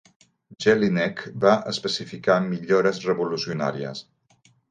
Jellinek va especificar millores revolucionàries.